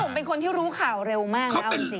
ผมเป็นคนที่รู้ข่าวเร็วมากนะเอาจริง